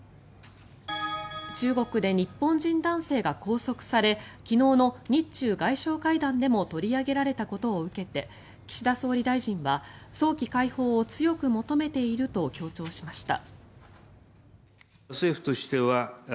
中国で日本人男性が拘束され昨日の日中外相会談でも取り上げられたことを受けて岸田総理大臣は早期解放を強く求めていると強調しました。